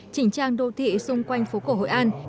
chỉnh trang đô thị xung quanh phố cổ hội an